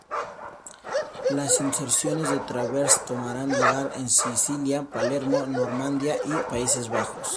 Las inserciones de Travers tomarán lugar en Sicilia, Palermo, Normandía y Países Bajos.